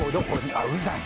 ああうるさい！